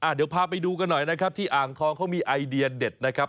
เดี๋ยวพาไปดูกันหน่อยนะครับที่อ่างทองเขามีไอเดียเด็ดนะครับ